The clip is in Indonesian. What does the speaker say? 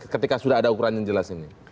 ketika sudah ada ukuran yang jelas ini